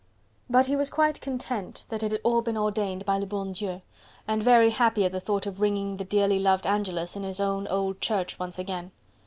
But he was quite content that it had all been ordained by le bon Dieu, and very happy at the thought of ringing the dearly loved Angelus in his own old church once again.